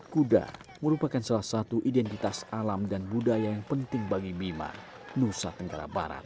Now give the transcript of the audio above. kuda merupakan salah satu identitas alam dan budaya yang penting bagi mima nusa tenggara barat